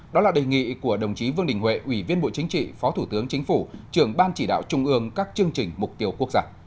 đó là đề nghị của đồng chí vương đình huệ ủy viên bộ chính trị phó thủ tướng chính phủ trường ban chỉ đạo trung ương các chương trình mục tiêu quốc gia